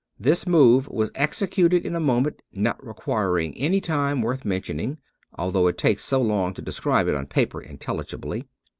This move was executed in a moment, not requiring any time worth mentioning, although it takes so long to describe it on paper intelligibly.